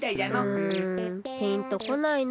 うんピンとこないな。